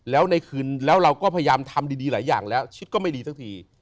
แล้วในคืนแล้วเราก็พยายามทำดีหลายอย่างแล้วชิดก็ไม่ดีสักที